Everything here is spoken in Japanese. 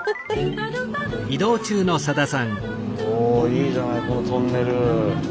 おいいじゃないこのトンネル。